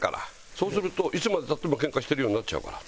そうするといつまで経っても喧嘩してるようになっちゃうから。